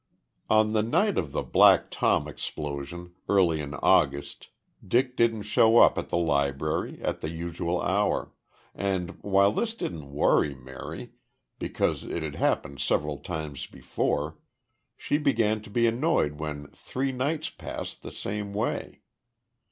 On the night of the Black Tom explosion, early in August, Dick didn't show up at the Library at the usual hour, and, while this didn't worry Mary, because it had happened several times before, she began to be annoyed when three nights passed the same way.